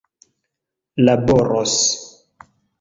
laboros